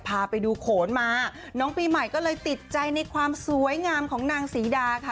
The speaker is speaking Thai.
พาไปดูโขนมาน้องปีใหม่ก็เลยติดใจในความสวยงามของนางศรีดาค่ะ